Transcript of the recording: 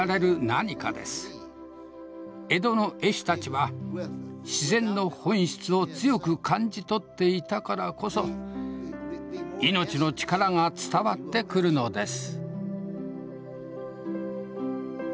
江戸の絵師たちは自然の本質を強く感じ取っていたからこそ命の力が伝わってくるのです。